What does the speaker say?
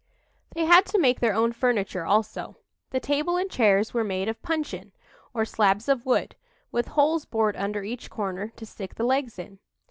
They had to make their own furniture also. The table and chairs were made of "puncheon," or slabs of wood, with holes bored under each corner to stick the legs in.